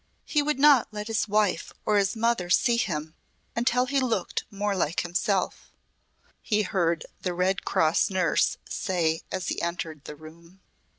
"He would not let his wife or his mother see him until he looked more like himself," he heard the Red Cross nurse say as he entered the room.